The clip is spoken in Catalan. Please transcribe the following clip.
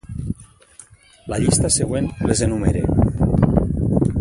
La llista següent les enumera.